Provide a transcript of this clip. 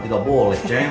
tidak boleh ceng